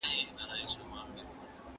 څو ودونه د کورنۍ ژوند څومره نا آراموي؟